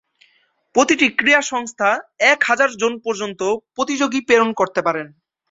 প্রতিটি ক্রীড়া সংস্থা এক হাজার জন পর্যন্ত প্রতিযোগী প্রেরণ করতে পারেন।